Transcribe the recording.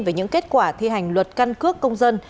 về những kết quả thi hành luật căn cước công dân